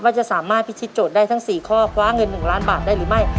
ว่าจะสามารถพิธีโจทย์ได้ทั้ง๔ข้อคว้าเงิน๑ล้านบาทได้หรือไม่